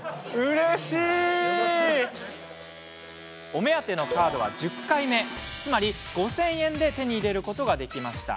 お目当てのカードは１０回目つまり５０００円で手に入れることができました。